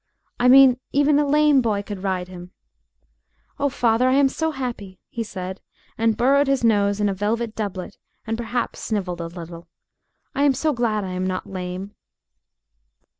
"I mean even a lame boy could ride him. Oh! father, I am so happy!" he said, and burrowed his nose in a velvet doublet, and perhaps snivelled a little. "I am so glad I am not lame."